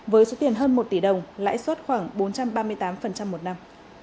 với số tiền hơn một tỷ đồng lãi suất khoảng bốn trăm ba mươi tám một năm